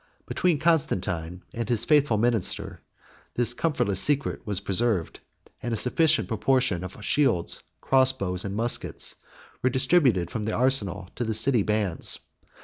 Between Constantine and his faithful minister this comfortless secret was preserved; and a sufficient proportion of shields, cross bows, and muskets, were distributed from the arsenal to the city bands.